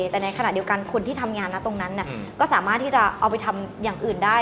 แต่ในขณะเดียวกันคนที่ทำงานนะตรงนั้นก็สามารถที่จะเอาไปทำอย่างอื่นได้